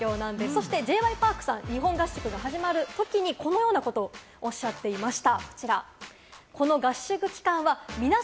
そしてＪ．Ｙ．Ｐａｒｋさん、日本合宿が始まるときに、このようなことをおっしゃっていました。